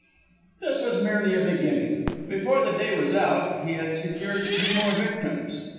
This was merely a beginning. Before the day was out he had secured two more victims.